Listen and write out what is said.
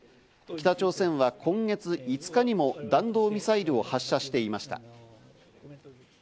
北朝鮮は今月５日にも弾道ミサイルを発射していました。